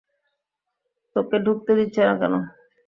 তোকে ঢুকতে দিচ্ছে না কেন?